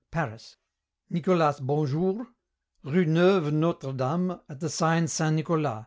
Paris. Nicolas Bonjour, rue Neuve Nostre Dame at the sign Saint Nicolas_.